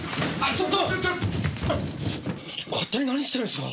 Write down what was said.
ちょっと勝手に何してるんですか？